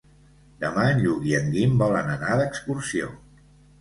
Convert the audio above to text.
Demà en Lluc i en Guim volen anar d'excursió.